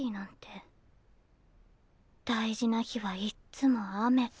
大事な日はいっつも雨。